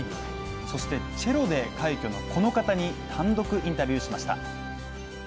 そして、チェロで、快挙のこの方に単独インタビューしました。